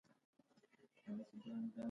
کلیوال غلي دي .